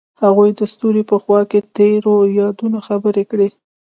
هغوی د ستوري په خوا کې تیرو یادونو خبرې کړې.